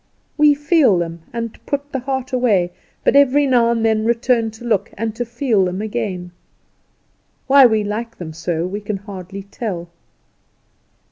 We feel them, and put the heart away; but every now and then return to look, and to feel them again. Why we like them so we can hardly tell.